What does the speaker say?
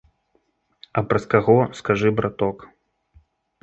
А праз каго, скажы, браток?